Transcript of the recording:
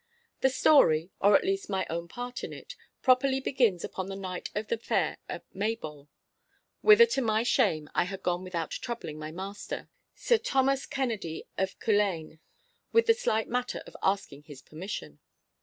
The story, or at least my own part in it, properly begins upon the night of the fair at Maybole—whither to my shame I had gone without troubling my master, Sir Thomas Kennedy of Culzean, with the slight matter of asking his permission.